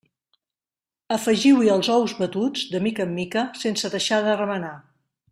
Afegiu-hi els ous batuts, de mica en mica, sense deixar de remenar.